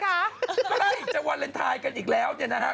ก็ได้จะวาเลนไทยกันอีกแล้วนะฮะ